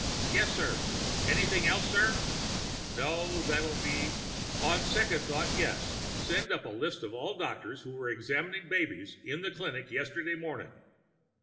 "Yes, sir. Anything else, sir?" "No, that'll be on second thought, yes. Send up a list of all doctors who were examining babies in the clinic yesterday morning."